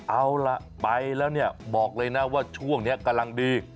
เอาล่ะไปแล้วเนี่ยบอกเลยนะว่าช่วงนี้กำลังดี